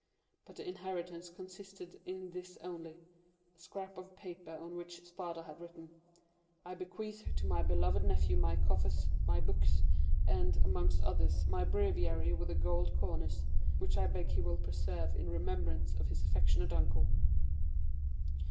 But the inheritance consisted in this only, a scrap of paper on which Spada had written:—'I bequeath to my beloved nephew my coffers, my books, and, amongst others, my breviary with the gold corners, which I beg he will preserve in remembrance of his affectionate uncle.